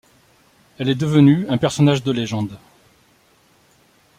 Elle est devenue un personnage de légende.